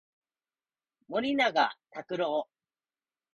森永卓郎